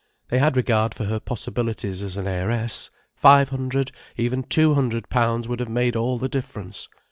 They had regard for her possibilities as an heiress. Five hundred, even two hundred pounds would have made all the difference.